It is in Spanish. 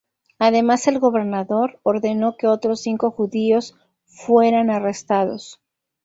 Además, el gobernador ordenó que otros cinco judíos fueran arrestados.